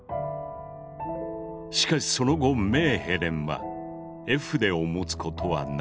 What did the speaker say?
しかしその後メーヘレンは絵筆を持つことはなかった。